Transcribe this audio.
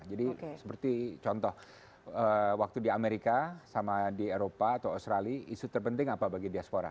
seperti contoh waktu di amerika sama di eropa atau australia isu terpenting apa bagi diaspora